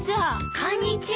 こんにちは。